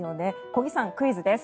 小木さん、クイズです。